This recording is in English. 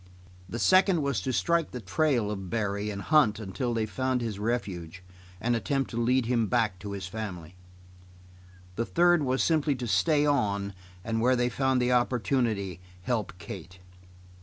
The second was to strike the trail of Barry and hunt until they found his refuge and attempt to lead him back to his family. The third was simply to stay on and where they found the opportunity, help Kate.